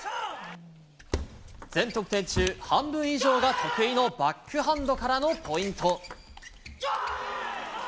全得点中、半分以上が得意のバックハンドからのポイント。